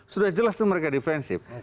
sudah jelas itu mereka defensif